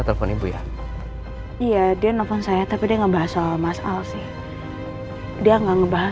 telepon ibu ya dia nelfon saya tapi dia ngebahas soal mas al sih dia nggak ngebahas